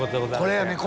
これやね